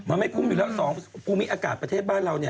มันไม่คุ้มอยู่แล้ว๒ภูมิอากาศประเทศบ้านเราเนี่ย